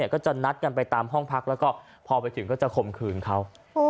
ก็จะนัดกันไปตามห้องพักแล้วก็พอไปถึงก็จะข่มขืนเขา